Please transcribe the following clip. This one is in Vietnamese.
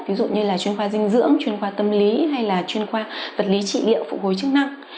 ví dụ như là chuyên khoa dinh dưỡng chuyên khoa tâm lý hay là chuyên khoa vật lý trị liệu phụ hồi chức năng